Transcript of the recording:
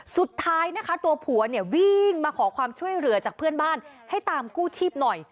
สุดท้ายนะคะตัวผัวเนี่ยวิ่งมาขอความช่วยเหลือจากเพื่อนบ้านให้ตามกู้ชีพหน่อย